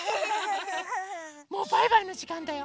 もうバイバイのじかんだよ。